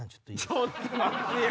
ちょっと待ってよ！